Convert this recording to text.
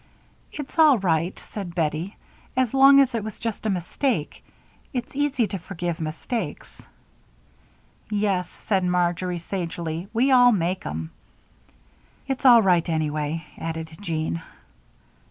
"It's all right," said Bettie, "as long as it was just a mistake. It's easy to forgive mistakes." "Yes," said Marjory, sagely, "we all make 'em." "It's all right, anyway," added Jean.